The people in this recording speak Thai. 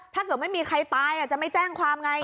ถ้าเกิดไม่มีใครตายจะไม่แจ้งความไง